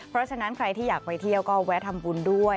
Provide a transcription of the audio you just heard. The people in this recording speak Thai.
เพราะฉะนั้นใครที่อยากไปเที่ยวก็แวะทำบุญด้วย